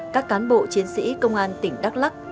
các cán bộ chiến sĩ công an tỉnh đắk lắc